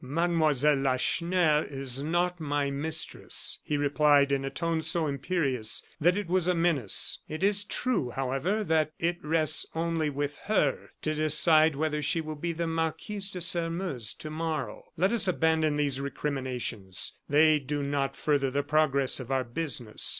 "Mademoiselle Lacheneur is not my mistress," he replied, in a tone so imperious that it was a menace. "It is true, however, that it rests only with her to decide whether she will be the Marquise de Sairmeuse tomorrow. Let us abandon these recriminations, they do not further the progress of our business."